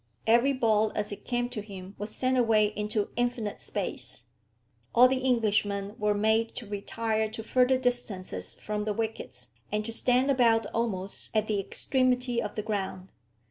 Every ball as it came to him was sent away into infinite space. All the Englishmen were made to retire to further distances from the wickets, and to stand about almost at the extremity of the ground.